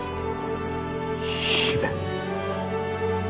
姫。